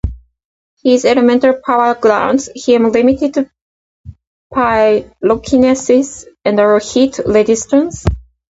His elemental power grants him limited pyrokinesis and heat resistance.